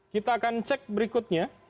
kita akan cek berikutnya